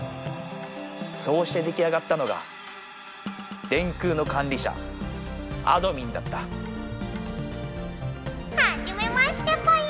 そうして出来上がったのが電空の管理者あどミンだったはじめましてぽよ。